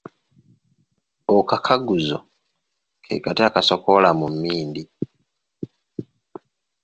Okakaguzo ke kati akasokoola mu mmindi.